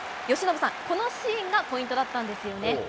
由伸さん、このシーンがポイントだったんですよね。